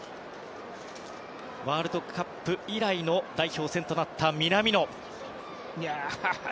ワールドカップ以来の代表戦となった南野。